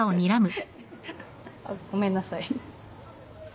あっごめんなさい。